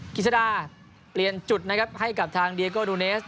กิจสดาเปลี่ยนจุดนะครับให้กับทางเดียโกดูเนส